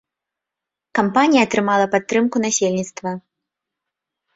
Кампанія атрымала падтрымку насельніцтва.